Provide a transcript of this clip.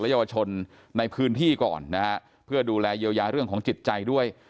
เยาวชนในพื้นที่ก่อนนะฮะเพื่อดูแลเยียวยาเรื่องของจิตใจด้วย